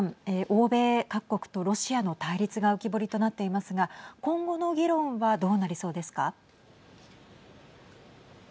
欧米各国とロシアの対立が浮き彫りとなっていますが今後の議論はどうなりそうですか。